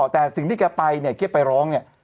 แต่สิ่งที่แกไปเนี่ยแกไปร้องเนี่ย